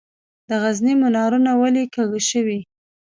د غزني منارونه ولې کږه شوي؟